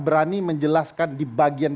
berani menjelaskan di bagian